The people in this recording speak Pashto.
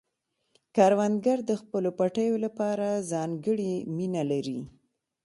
کروندګر د خپلو پټیو لپاره ځانګړې مینه لري